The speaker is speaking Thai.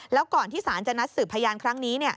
แล้วก่อนที่ศาลจะนัดสืบพยานครั้งนี้